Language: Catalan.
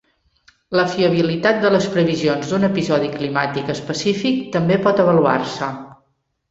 La fiabilitat de les previsions d'un episodi climàtic específic també pot avaluar-se.